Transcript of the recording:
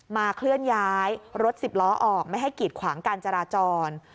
เคลื่อนย้ายรถสิบล้อออกไม่ให้กีดขวางการจราจร